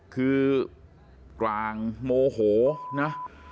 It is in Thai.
คือกลางโมโหนะ